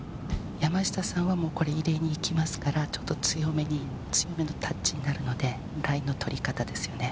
山下はもう、これ、入れにいきますから、ちょっと強めに、強めのタッチになるので、ラインの取り方ですよね。